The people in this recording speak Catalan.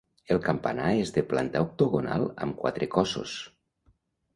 El campanar és de planta octagonal amb quatre cossos.